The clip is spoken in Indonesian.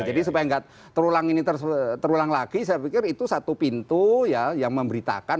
jadi supaya nggak terulang ini terulang lagi saya pikir itu satu pintu yang memberitakan